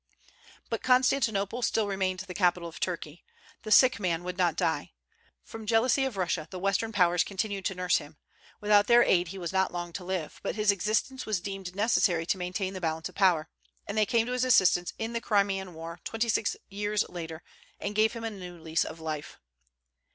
But Constantinople still remained the capital of Turkey. The "sick man" would not die. From jealousy of Russia the western Powers continued to nurse him. Without their aid he was not long to live; but his existence was deemed necessary to maintain the "balance of power," and they came to his assistance in the Crimean War, twenty six years later, and gave him a new lease of life.